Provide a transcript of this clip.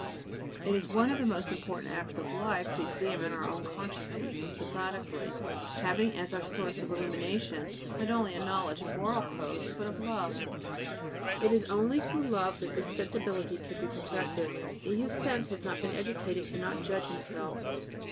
It is one of the most important acts of life to examine our own consciences methodically, having as our source of illumination not only a knowledge of moral codes, but of love. It is only through love that this sensibility can be perfected. He whose sense has not been educated cannot judge himself.